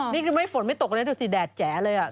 นี่คือไม่ฝนไม่ตกเลยนะดูสิแดดแจ๋เลย